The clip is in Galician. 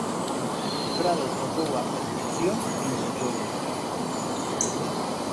Prado tocou a perfección en Letonia.